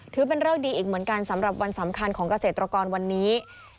ถือเป็นเริกดีอีกเหมือนกันสำหรับวันสำคัญของเกษตรกรวันนี้